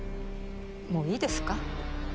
もういいですか？